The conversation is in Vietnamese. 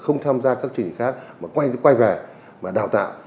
không tham gia các trình khác mà quay về mà đào tạo